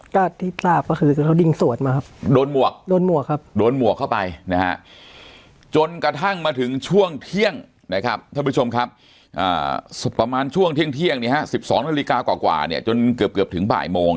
ก็ที่ตามก็คือเขายิงสวนมาครับโดนมวกโดนมวกครับโดนมวกเข้าไปนะฮะจนกระทั่งมาถึงช่วงเที่ยงนะครับท่านผู้ชมครับ